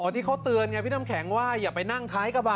ที่เขาเตือนไงพี่น้ำแข็งว่าอย่าไปนั่งท้ายกระบะ